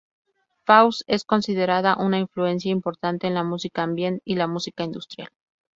Faust es considerada una influencia importante en la música ambient y la música industrial.